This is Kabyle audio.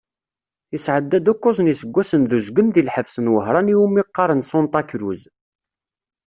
Yesɛedda-d ukkuẓ n yiseggasen d uzgen di lḥebs n Wehran i wumi qqaren Sanṭa Cruz.